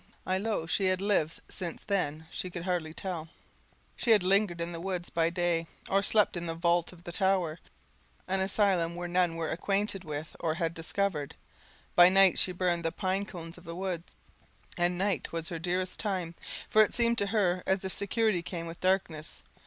I low she had lived since then she could hardly tell; she had lingered in the woods by day, or slept in the vault of the tower, an asylum none were acquainted with or had discovered: by night she burned the pine cones of the wood, and night was her dearest time; for it seemed to her as if security came with darkness.